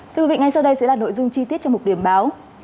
thưa quý vị ngay sau đây sẽ là nội dung chi tiết cho mục điểm báo